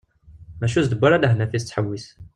Maca ur as-d-yewwi ara lehna iɣef tettḥewwis.